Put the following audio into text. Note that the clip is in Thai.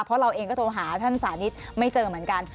เพราะเราเองก็โทรหาท่านสานิทไม่เจอเหมือนกัน